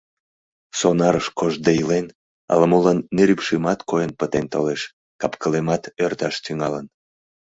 Сонарыш коштде илен, ала-молан нерӱпшемат койын пытен толеш, кап-кылемат ӧрдаш тӱҥалын.